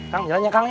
kang jalan ya kang